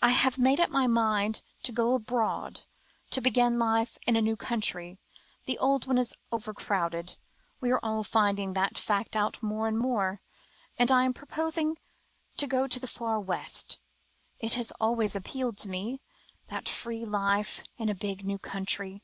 I have made up my mind to go abroad, to begin life in a new country. The old one is over crowded we are all finding that fact out more and more, and I am proposing to go to the Far West. It has always appealed to me that free life in a big, new country."